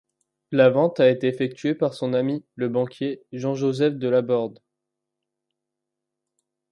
La vente a été effectuée par son ami le banquier Jean-Joseph de Laborde.